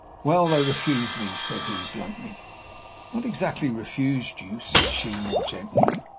"Well, they refused me," said he, bluntly. "Not exactly refused you," said she, more gently.